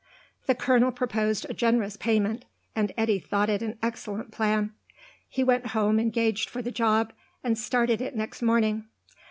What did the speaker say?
The Colonel proposed a generous payment, and Eddy thought it an excellent plan. He went home engaged for the job, and started it next morning.